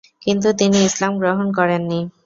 কিন্তু তিনি ইসলাম গ্রহণ করেননি।